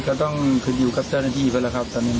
ก็ต้องถือคุดอยู่กับเจ้าหน้าที่ไปแล้วครับ